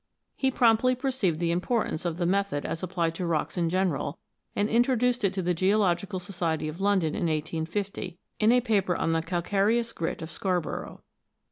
He promptly perceived the importance of the method as applied to rocks in general, and introduced it to the Geological Society of London in 1850, in a paper on the Calcareous Grit of Scarborough.